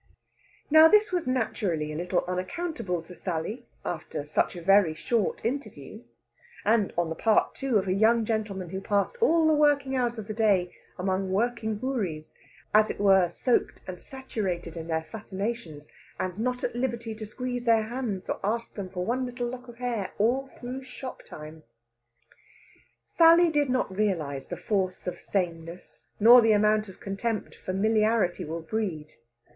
Now, this was naturally a little unaccountable to Sally, after such a very short interview; and on the part, too, of a young gentleman who passed all the working hours of the day among working houris, as it were soaked and saturated in their fascinations, and not at liberty to squeeze their hands or ask them for one little lock of hair all through shop time. Sally did not realise the force of sameness, nor the amount of contempt familiarity will breed.